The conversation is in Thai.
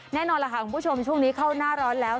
แน่นอนล่ะค่ะคุณผู้ชมช่วงนี้เข้าหน้าร้อนแล้ว